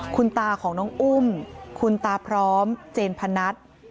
คุณตาของน้องอุ้มคุณตาพร้อมเจนพนัท